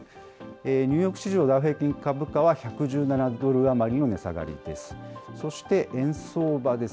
ニューヨーク市場、ダウ平均株価は、１１７ドル余りの値下がりです。